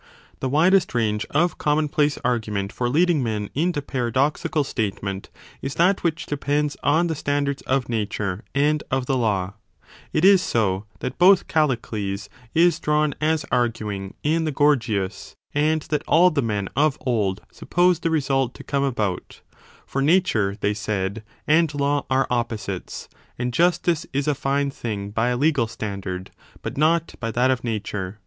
The widest range of common place argument for leading men into paradoxical statement is that which depends on the standards of Nature and of the Law : it is so that both Callicles is drawn as arguing in the Gorgias? and that all the men of old supposed the result to come about : for 1 I72 b 26. Read eo rt. 2 Top. ii. 5. 3 482 E. CHAPTER XII i73 a nature (they said) and law are opposites, and justice is a fine 10 thing by a legal standard, but not by that of nature.